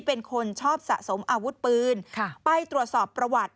เป็นคนชอบสะสมอาวุธปืนไปตรวจสอบประวัติ